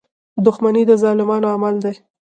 • دښمني د ظالمانو عمل دی.